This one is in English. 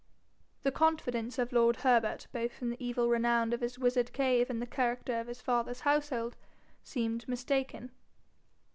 The confidence of lord Herbert, both in the evil renown of his wizard cave and the character of his father's household, seemed mistaken.